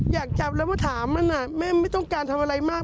อยากจับแล้วมาถามมันแม่ไม่ต้องการทำอะไรมาก